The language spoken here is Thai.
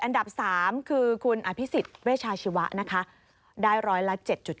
อันดับ๓คือคุณอภิษฎเวชาชีวะนะคะได้ร้อยละ๗๗